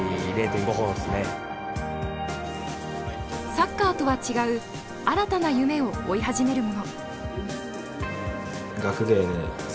サッカーとは違う新たな夢を追い始める者。